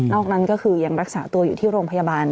นั้นก็คือยังรักษาตัวอยู่ที่โรงพยาบาล